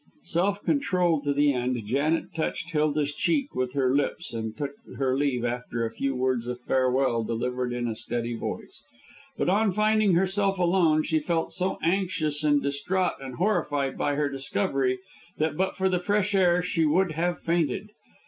Self controlled to the end, Janet touched Hilda's cheek with her lips, and took her leave after a few words of farewell delivered in a steady voice. But on finding herself alone, she felt so anxious and distraught and horrified by her discovery, that but for the fresh air she would have fainted.